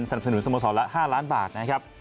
สนับสนุนสมสอบละ๕ล้านบาทนะครับ